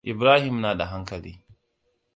Ibrahim na da hankali.